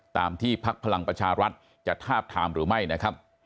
ตามที่พักพลังประชารัฐจะทาบทามหรือไม่นะครับ